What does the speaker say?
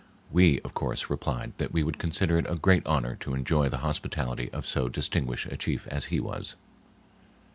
We, of course, replied that we would consider it a great honor to enjoy the hospitality of so distinguished a chief as he was.